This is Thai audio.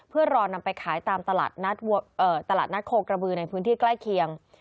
เพื่อรอนำไปขายตามตลาดนัดตลาดนัดโคกระบือในพื้นที่ใกล้เคียง